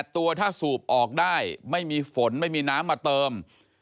ตัวถ้าสูบออกได้ไม่มีฝนไม่มีน้ำมาเติม